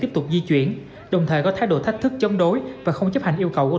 tiếp tục di chuyển đồng thời có thái độ thách thức chống đối và không chấp hành yêu cầu của